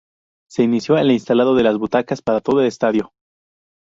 Se inició el instalado de las butacas para todo el estadio.